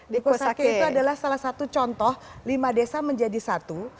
di kusake itu adalah salah satu contoh lima desa menjadi satu